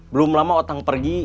belum lama otang pergi